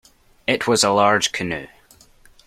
It was a large canoe.